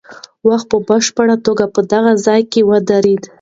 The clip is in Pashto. وخت په بشپړه توګه په دغه ځای کې ودرېد.